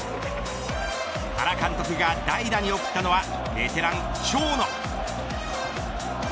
原監督が代打に送ったのはベテラン、長野。